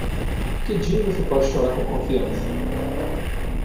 Que dia você pode chorar com confiança?